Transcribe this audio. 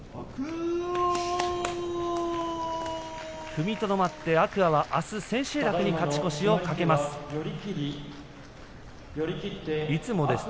踏みとどまって天空海は、あす千秋楽に勝ち越しを懸けます。